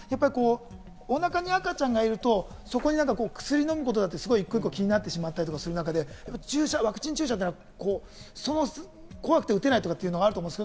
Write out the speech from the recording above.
おなかに赤ちゃんがいると、そこに薬を飲むことだったり、一個一個気になったりする中でワクチン注射はそれが怖くて打てない方もいると思います。